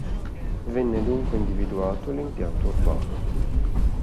Venne dunque individuato l'impianto urbano.